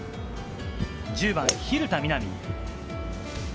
１０番、蛭田みな美。